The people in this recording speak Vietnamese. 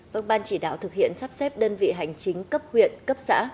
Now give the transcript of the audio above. vâng ban chỉ đạo thực hiện sắp xếp đơn vị hành chính cấp huyện cấp xã